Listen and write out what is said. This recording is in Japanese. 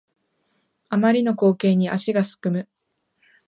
あまりの光景に足がすくむ